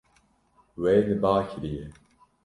We li ba kiriye.